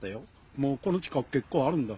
もうこの近く、結構あるんだ。